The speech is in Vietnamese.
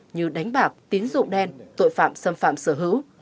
như đánh bạc tín dụng đen tội phạm xâm phạm sở hữu